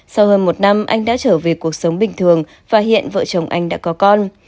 sau hơn một năm anh đã trở về cuộc sống bình thường và hiện vợ chồng anh đã có con